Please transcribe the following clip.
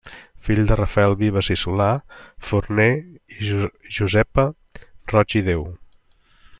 Fill de Rafael Vives i Solà, forner i Josepa Roig i Déu.